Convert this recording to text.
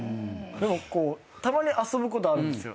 でもたまに遊ぶことあるんですよ。